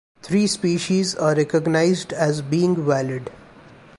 Three species are recognized as being valid.